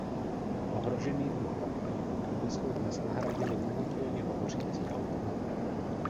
Ohrožený druh kapitánů průmyslu dnes nahradily monotónně hovořící automaty.